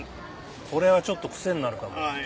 これはちょっとクセになるかも。